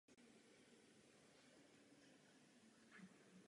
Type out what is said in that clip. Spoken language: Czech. Podle této knihy natočil Steven Spielberg stejnojmenný film.